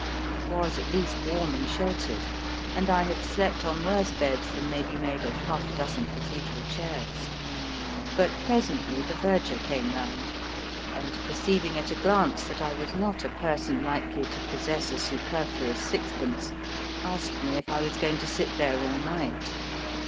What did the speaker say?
It was at least warm and sheltered, and I have slept on worse beds than may be made of half a dozen Cathedral chairs. But presently the verger came round, and perceiving at a glance that I was not a person likely to possess a superfluous sixpence, asked me if I was going to sit there all night.